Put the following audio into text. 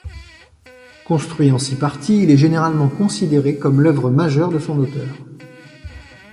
Construit en six parties, il est généralement considéré comme l’œuvre majeure de son auteur.